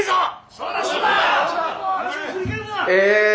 そうだそうだ！え